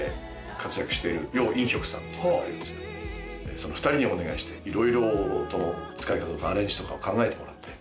その２人にお願いしていろいろ音の使い方とかアレンジとかを考えてもらって。